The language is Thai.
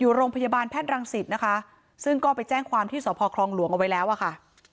อยู่โรงพยาบาลแพทย์รังสิตนะคะซึ่งก็ไปแจ้งความที่สพคลองหลวงเอาไว้แล้วอะค่ะ